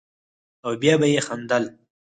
او بيا به يې خندل.